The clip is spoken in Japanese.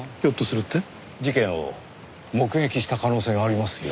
事件を目撃した可能性がありますよ。